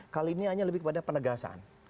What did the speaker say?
kali ini hanya lebih kepada penegasan